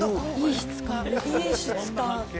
いい質感。